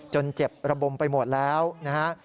เจ็บระบมไปหมดแล้วนะฮะ